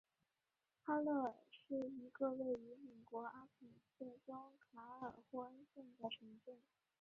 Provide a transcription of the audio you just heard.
哈勒尔是一个位于美国阿肯色州卡尔霍恩县的城镇。